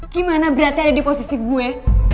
gimana berarti ada di posisi gue